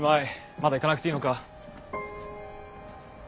まだ行かなくていいのか？